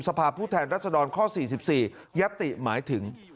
สภาพผู้แทนรัศดรข้อ๔๔ยัตติหมายถึง